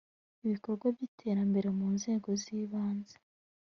ibikorwa by iterambere mu nzego z ibanze